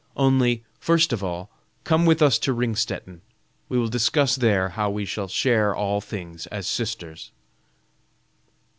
Only, first of all, come with us to Ringstetten. We will discuss there how we shall share all things as sisters."